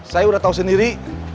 saya udah tahu sendiri